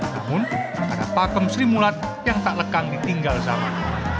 namun ada pakem sri mulat yang tak lekang ditinggal zaman